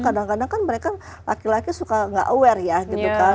kadang kadang kan mereka laki laki suka nggak aware ya gitu kan